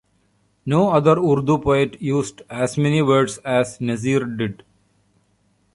No other Urdu poet used as many words as Nazeer did.